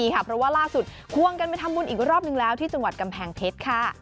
เพราะว่าร่าสุดคว้างกันไปทำบุญอีกรอบนึงที่กำแผงเทศ